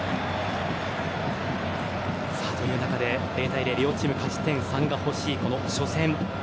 ０対０、両チーム勝ち点３が欲しいこの初戦。